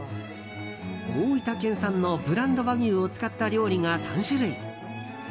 大分県産のブランド和牛を使った料理が３種類。